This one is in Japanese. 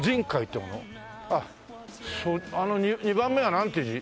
あっあの２番目はなんていう字？